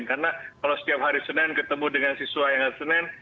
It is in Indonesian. karena kalau setiap hari senen ketemu dengan siswa yang lain